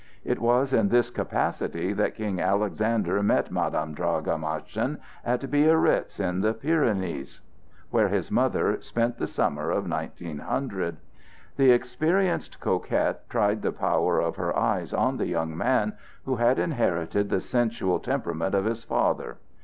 It was in this capacity that King Alexander met Madame Draga Maschin at Biarritz in the Pyrenees, QUEEN DRAGA where his mother spent the summer of 1900. The experienced coquette tried the power of her eyes on the young man, who had inherited the sensual temperament of his father.